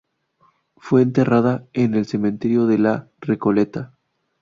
Fue enterrada en el Cementerio de la Recoleta.